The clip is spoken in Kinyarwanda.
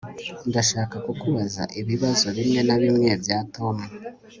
Ndashaka kukubaza ibibazo bimwe na bimwe bya Tom